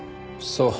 そう。